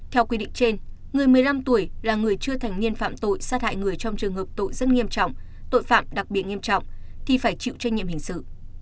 theo quy định trên người một mươi năm tuổi là người chưa thành niên phạm tội sát hại người trong trường hợp tội rất nghiêm trọng tội phạm đặc biệt nghiêm trọng thì phải chịu trách nhiệm hình sự